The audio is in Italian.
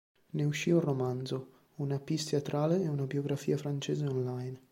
Ne usci un romanzo, una piece teatrale e una biografia francese on-line.